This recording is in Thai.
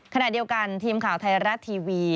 ขณะเดียวกันทีมข่าวไทยรัฐทีวี